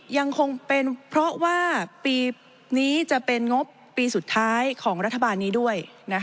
ยังคงเป็นเพราะว่าปีนี้จะเป็นงบปีสุดท้ายของรัฐบาลนี้ด้วย